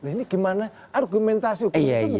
ini gimana argumentasi hukum itu